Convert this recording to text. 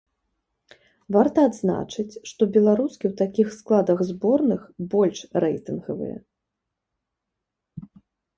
Варта адзначыць, што беларускі ў такіх складах зборных больш рэйтынгавыя.